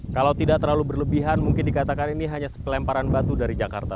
kalau tidak terlalu berlebihan mungkin dikatakan ini hanya sepelemparan batu dari jakarta